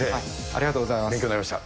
ありがとうございます。